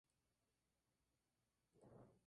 La serie se centra en los "Bone".